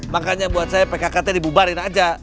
makanya buat saya pkk tadi bubarin aja